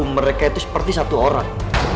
mereka itu seperti satu orang